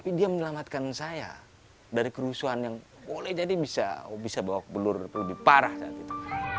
tapi dia menyelamatkan saya dari kerusuhan yang boleh jadi bisa bawa ke belur lebih parah saat itu